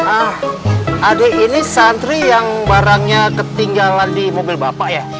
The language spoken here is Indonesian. ah adik ini santri yang barangnya ketinggalan di mobil bapak ya